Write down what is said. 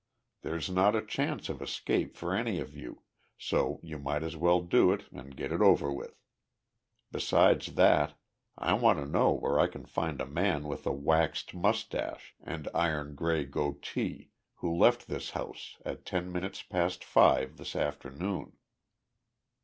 "There's not a chance of escape for any of you, so you might as well do it and get it over with. Besides that, I want to know where I can find a man with a waxed mustache and iron gray goatee who left this house at ten minutes past five this afternoon."